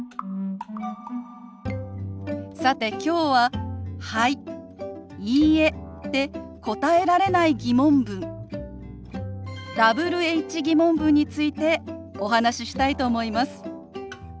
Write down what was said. さてきょうは「はい」「いいえ」で答えられない疑問文Ｗｈ−疑問文についてお話ししたいと思います。